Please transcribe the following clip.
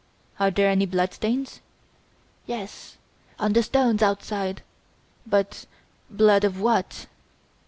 "Are there any blood stains?" "Yes, on the stones outside; but blood of what?"